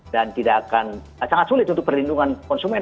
tidak akan sangat sulit untuk perlindungan konsumen